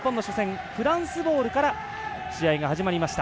フランスボールから試合が始まりました。